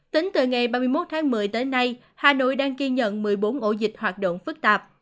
tính từ ngày ba mươi một tháng một mươi tới nay hà nội đang ghi nhận một mươi bốn ổ dịch hoạt động phức tạp